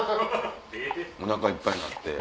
お腹いっぱいになって。